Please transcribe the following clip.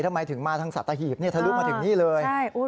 ทำไมถึงมาทางสัตว์ตะหีบถลุกมาถึงนี่เลย